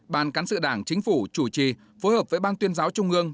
ban cán sự đảng chính phủ chủ trì phối hợp với ban tuyên giáo trung ương